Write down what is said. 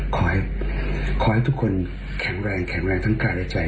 ขอให้ทุกคนแข็งแรงแข็งแรงทั้งกายและใจ